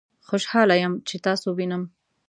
خوشحاله یم چې تاسو وینم